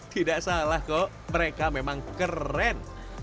tidak salah kok mereka memang keren